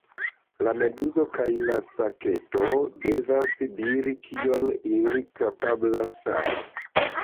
La meduzo kaj la saketo devas diri kion ili kapablas fari.